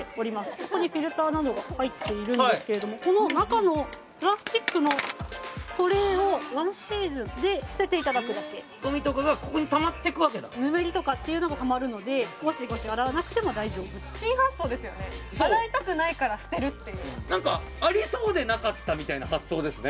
ここにフィルターなどが入っているんですけれどもこの中のプラスチックのトレイをワンシーズンで捨てていただくだけゴミとかがここにたまってくわけだぬめりとかがたまるのでゴシゴシ洗わなくても大丈夫そう洗いたくないから捨てるっていうなんかありそうでなかったみたいな発想ですね